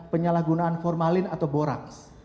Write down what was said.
penyalahgunaan formalin atau borax